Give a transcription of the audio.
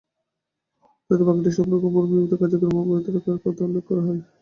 তাতে বাগানটি সংরক্ষণপূর্বক নিয়মিত কার্যক্রম অব্যাহত রাখার কথা উল্লেখ করা হয়।